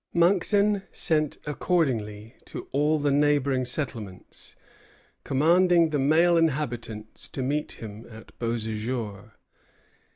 Monckton sent accordingly to all the neighboring settlements, commanding the male inhabitants to meet him at Beauséjour.